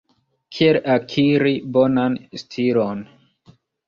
Kiel akiri bonan stilon?